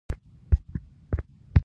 د الف هیواد د کرنسۍ مقدار دوه چنده وي.